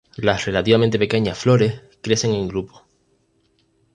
Las relativamente pequeñas flores crecen en grupo.